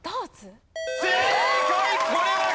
正解！